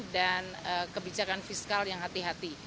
dan kebijakan fiskal yang hati hati